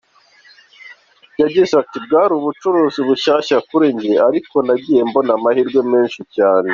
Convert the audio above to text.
Yagize ati ‘‘Bwari ubucuruzi bushyashya kuri njye, ariko nagiye mbona amahirwe menshi cyane.